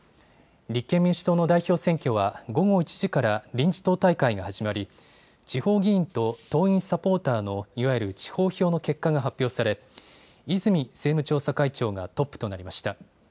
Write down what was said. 立憲民主党の代表選挙は、午後１時から臨時党大会が始まり、地方議員と党員・サポーターの、いわゆる地方票の結果が発表され、泉政務調査会長がトップとなりました。